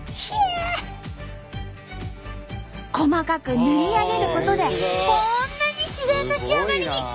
細かく縫い上げることでこんなに自然な仕上がりに。